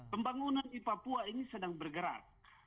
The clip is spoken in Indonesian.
pembangunan di papua ini sedang bergerak